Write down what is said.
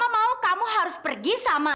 dan mama mau kamu harus pergi sama